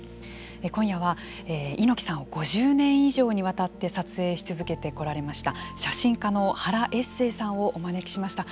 今夜は、猪木さんを５０年以上にわたって撮影し続けてこられました写真家の原悦生さんをお招きしました。